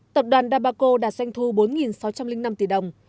tập đoàn dabaco đạt doanh thu bốn sáu trăm linh năm tỷ đồng